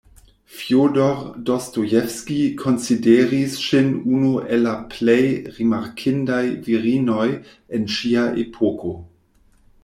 Fjodor Dostojevskij konsideris ŝin unu el la plej rimarkindaj virinoj en ŝia epoko.